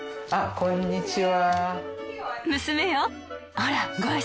こんにちは。